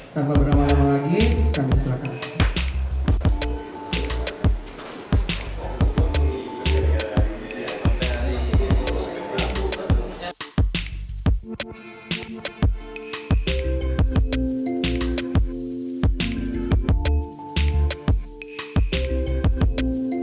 tanpa berlama lama lagi kami diserahkan